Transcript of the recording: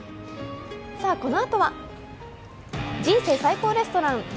さあ、このあとは「人生最高レストラン」。